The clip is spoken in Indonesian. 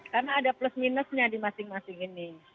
karena ada plus minusnya di masing masing ini